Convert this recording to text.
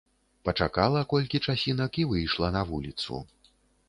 Пачакала колькі часінак і выйшла на вуліцу.